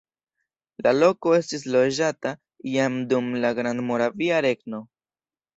La loko estis loĝata jam dum la Grandmoravia Regno.